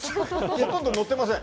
ほとんど乗っていません。